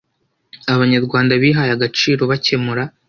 Abanyarwanda bihaye agaciro bakemura